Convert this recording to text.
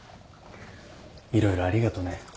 色々ありがとね。